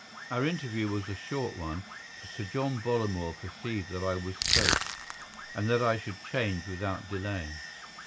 Our interview was a short one, for Sir John Bollamore perceived that I was soaked, and that I should change without delay.